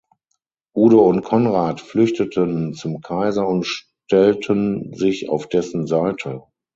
Udo und Konrad flüchteten zum Kaiser und stellten sich auf dessen Seite.